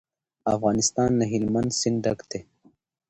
افغانستان له هلمند سیند ډک دی.